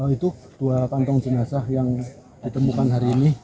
itu dua kantong jenazah yang ditemukan hari ini